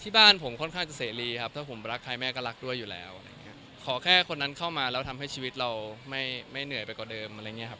บ้านผมค่อนข้างจะเสรีครับถ้าผมรักใครแม่ก็รักด้วยอยู่แล้วอะไรอย่างเงี้ยขอแค่คนนั้นเข้ามาแล้วทำให้ชีวิตเราไม่ไม่เหนื่อยไปกว่าเดิมอะไรอย่างเงี้ครับ